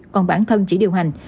còn bản thân chỉ điều hành